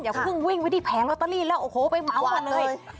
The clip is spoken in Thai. เพิ่งวิ่งไปที่แผงลอตเตอรี่แล้วโอ้โหไปเหมามาเลย